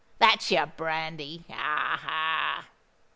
That's your brandy! Ha! ha!"